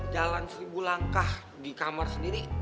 jalan seribu langkah di kamar sendiri